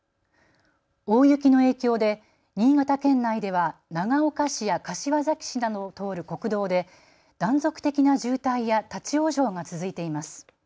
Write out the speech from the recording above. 大雪の影響で新潟県内では長岡市や柏崎市などを通る国道で断続的な渋滞や立往生が続いています。